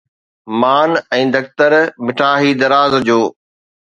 مان ۽ دختر مٺا هي دراز جو